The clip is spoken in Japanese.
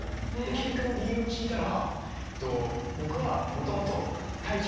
ケンカの理由を聞いたら。